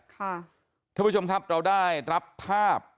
ท่านผู้ชมครับเราได้รับภาพ